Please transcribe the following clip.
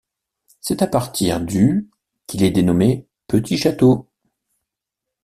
C'est à partir du qu'il est dénommé Petit château.